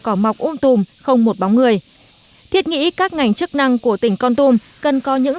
cỏ mọc ôm tùm không một bóng người thiết nghĩ các ngành chức năng của tỉnh con tum cần có những